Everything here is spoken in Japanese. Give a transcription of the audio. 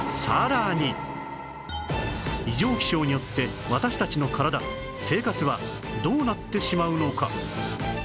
異常気象によって私たちの体生活はどうなってしまうのか？